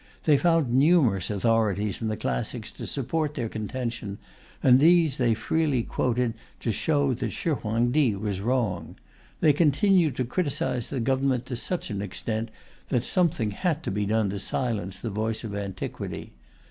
They found numerous authorities in the classics to support their contention and these they freely quoted to show that Shih Huang Ti was wrong. They continued to criticize the government to such an extent that something had to be done to silence the voice of antiquity